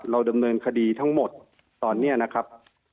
ดำเนินคดีทั้งหมดตอนนี้นะครับ